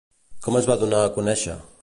Com es va donar a conèixer?